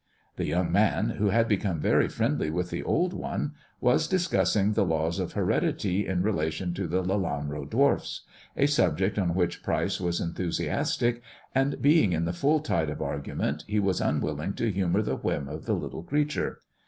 The young man, who had become very friendly with the old one, was discussing the laws of heredity in relation to the Lelanro dwarfs, a subject on which Pryce was enthusiastic, and being in the full tide of argument, he was unwilling to humour the whim of the little creature.